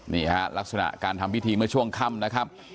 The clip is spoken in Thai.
นี่ฮะลักษณะการทำพิธีเมื่อช่วงค่ำนะครับ